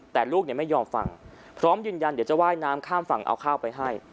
แต่ลูกไม่ยอมฟังพร้อมยืนยันเดี๋ยวจะว่ายน้ำข้ามฝั่งเอาข้าวไปให้